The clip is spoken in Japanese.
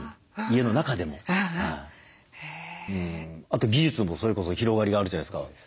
あと技術もそれこそ広がりがあるじゃないですか。